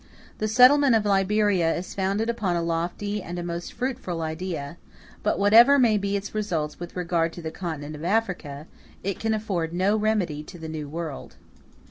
The settlement of Liberia is founded upon a lofty and a most fruitful idea; but whatever may be its results with regard to the Continent of Africa, it can afford no remedy to the New World.